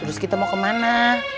terus kita mau kemana